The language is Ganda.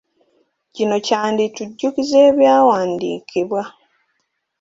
Kino kyanditujjukiza ebyawandiikibwa.